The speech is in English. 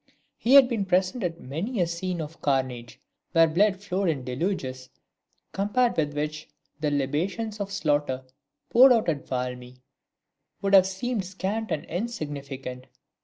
He had been present at many a scene of carnage, where blood flowed in deluges, compared with which the libations of slaughter poured out at Valmy would have seemed scant and insignificant.